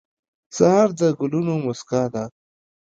سهار د ګلونو موسکا ده.